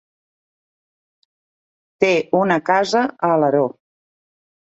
Té una casa a Alaró.